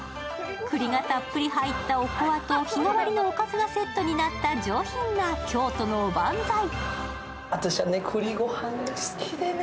栗がたっぷり入ったおこわと、日替わりのおかずがセットになった上品な京都のおばんざい。